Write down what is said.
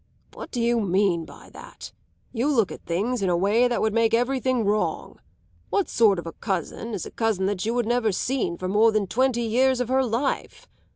"What do you mean by that? You look at things in a way that would make everything wrong. What sort of a cousin is a cousin that you had never seen for more than twenty years of her life?